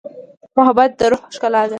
محبت د روح ښکلا ده.